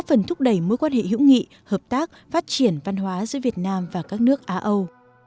phần thúc đẩy mối quan hệ hữu nghị hợp tác phát triển văn hóa giữa việt nam và các nước á âu